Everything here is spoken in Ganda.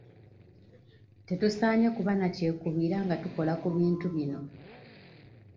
Tetusaanye kuba na kyekubiira nga tukola ku bintu bino.